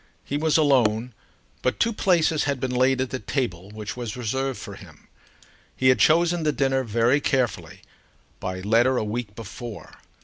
He was alone, but two places had been laid at the table which was reserved for him. He had chosen the dinner very carefully, by letter a week before.